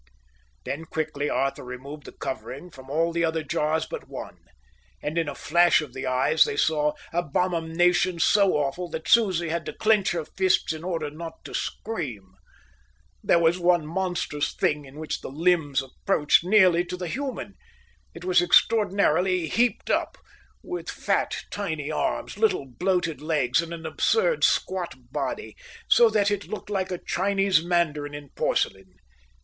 Then quickly Arthur removed the covering from all the other jars but one; and in a flash of the eyes they saw abominations so awful that Susie had to clench her fists in order not to scream. There was one monstrous thing in which the limbs approached nearly to the human. It was extraordinarily heaped up, with fat tiny arms, little bloated legs, and an absurd squat body, so that it looked like a Chinese mandarin in porcelain.